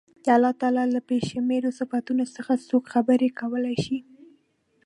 د الله تعالی له بې شمېرو صفتونو څخه څوک خبرې کولای شي.